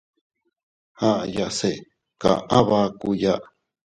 Aʼayase kaʼa bakuya.